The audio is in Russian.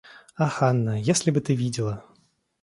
Ах, Анна, если бы ты видела!